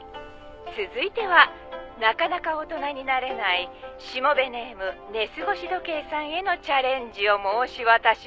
「続いてはなかなか大人になれないしもべネーム寝過ごし時計さんへのチャレンジを申し渡しますわ」